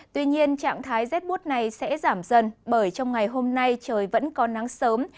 tuy nhiên trạng thái rét bút này sẽ giảm dần bởi trong ngày hôm nay trời vẫn có nắng sớm